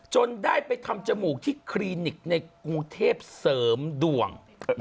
จนได้ไปทำจมูกที่คลินิกในกรุงเทพเสริมดวง